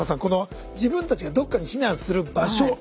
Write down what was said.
この自分たちがどっかに避難する場所。